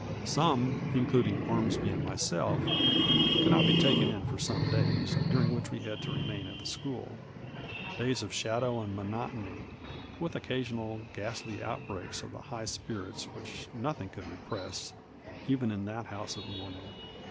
Some, including Ormsby and myself, could not be taken in for some days, during which we had to remain at the school : days of shadow and monotony, with occa sional ghastly outbreaks of the high spirits which noth ing could repress, even in that house of mourning.